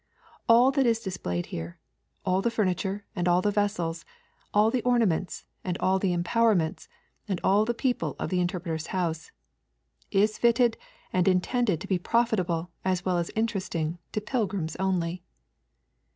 All that is displayed here all the furniture and all the vessels, all the ornaments and all the employments and all the people of the Interpreter's House is fitted and intended to be profitable as well as interesting to pilgrims only.